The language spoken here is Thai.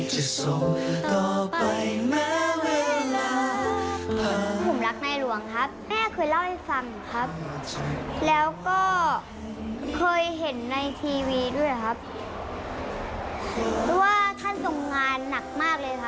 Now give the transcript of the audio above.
ก็เลยรักท่านครับเพื่อคนไทยทั้งประเทศครับ